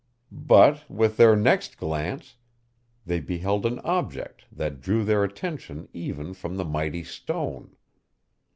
But, with their next glance, they beheld an object that drew their attention even from the mighty stone.